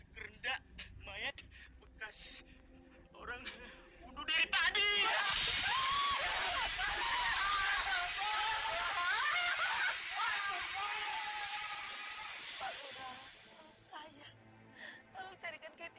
ketika kita berdua kita tidak bisa menemukan keti